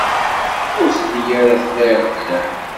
Ur telli ara tla iɣeblan.